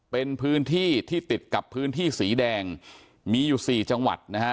เป็นพื้นที่ที่ติดกับพื้นที่สีแดงมีอยู่สี่จังหวัดนะฮะ